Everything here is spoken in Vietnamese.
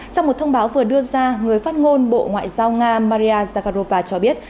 trong một thông báo vừa đưa ra người phát ngôn bộ ngoại giao nga maria zakarrova cho biết